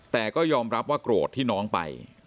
แต่ก็ยอมรับว่าโกรธที่น้องไป